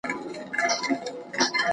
¬ اصل په گدله کي، کم اصل په گزبره کي.